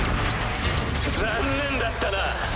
残念だったな。